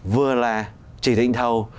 vừa là chỉ định thầu